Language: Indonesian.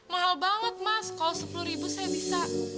mahal banget mas